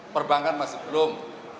perbankan masih belum